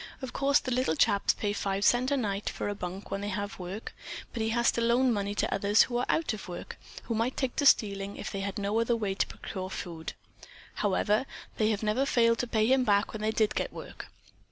Of course the little chaps pay five cents a night for a bunk when they have work, but he has to loan money to others who are out of work, who might take to stealing if they had no other way to procure food. However, they have never failed to pay him back when they did get work."